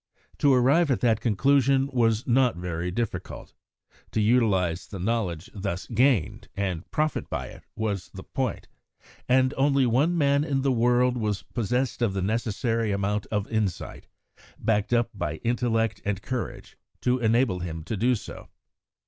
To arrive at that conclusion was not very difficult; to utilise the knowledge thus gained, and profit by it, was the point, and only one man in the world was possessed of the necessary amount of insight, backed up by intellect and courage, to enable him to do so.